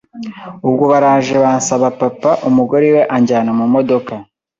Ubwo baraje bansaba papa, umugore we anjyana mu modoka